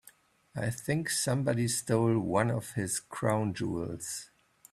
I think somebody stole one of his crown jewels.